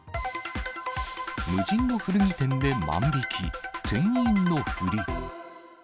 無人の古着店で万引き、店員のふり。